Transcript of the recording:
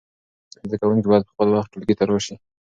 زده کوونکي باید په خپل وخت ټولګي ته راسی.